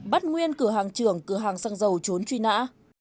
bắt nguyên cửa hàng trưởng cửa hàng xăng dầu trốn truy nã